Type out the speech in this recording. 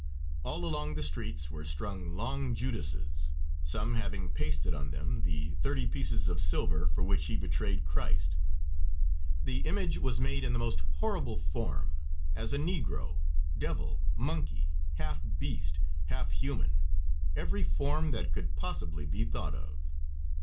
All along the streets were strung long Judases, some having pasted on them the thirty pieces of silver for which he betrayed Christ; the image was made in the most horrible form as a negro, devil, monkey, half beast, half human, every form that could possibly be thought of.